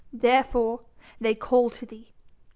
Therefore they call to thee.